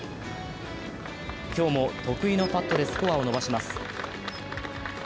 今日も得意のパットでスコアを伸ばします。